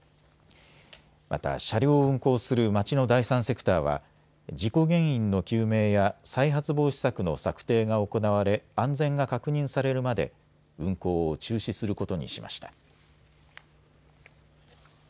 また、車両を運行する町の第三セクターは事故原因の究明や再発防止策の策定が行われ安全が確認されるまで運行を中止することにしました。